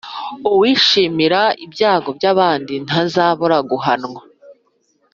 uwishimira ibyago by’abandi ntazabura guhanwa